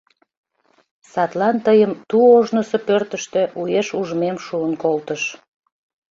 Садлан тыйым ту ожнысо пӧртыштӧ уэш ужмем шуын колтыш.